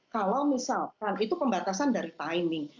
kalau misalkan itu pembatasan dari timing